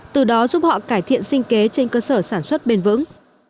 từ đó giúp họ cải thiện sinh kế trên cơ sở sản xuất bền vững